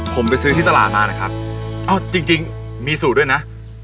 ผมไปซื้อที่ตลาดมานะครับเอ้าจริงจริงมีสูตรด้วยนะ